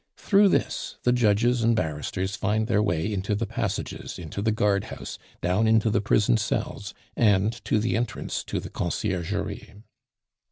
Through this the judges and barristers find their way into the passages, into the guardhouse, down into the prison cells, and to the entrance to the Conciergerie.